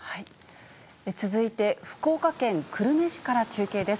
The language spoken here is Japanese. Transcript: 続いて、福岡県久留米市から中継です。